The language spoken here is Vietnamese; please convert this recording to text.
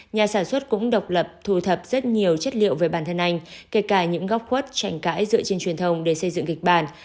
nhà sản xuất cũng độc lập thu thập rất nhiều chất liệu về bản thân anh kể cả những góc khuất trành cãi dựa trên truyền thông để xây dựng kịch bản